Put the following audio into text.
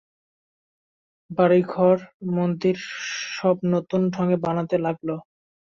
বাড়ী ঘর দোর মন্দির সব নূতন ঢঙে বনতে লাগল।